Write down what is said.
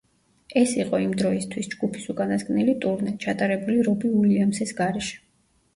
ეს იყო იმ დროისთვის ჯგუფის უკანასკნელი ტურნე, ჩატარებული რობი უილიამსის გარეშე.